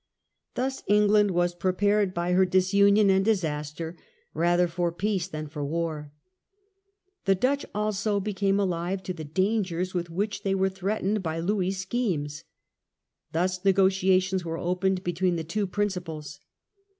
Thus England was prepared by her disunion and disaster rather for peace than for war. The Dutch also became alive p^^^^ ^^ to the dangers with which they were threat Breda, July, ened by Louis' schemes. Thus negotiations "^' were opened between the two principals.